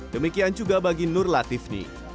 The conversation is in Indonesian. demikian juga bagi nur latifni